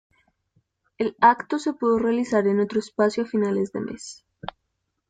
El acto se pudo realizar en otro espacio a finales de mes